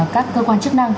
các cơ quan chức năng